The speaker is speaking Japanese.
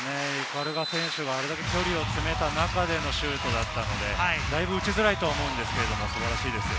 鵤選手があれだけ距離を詰めた中でのシュートだったので、だいぶ打ちづらいと思うんですけれども、素晴らしいです。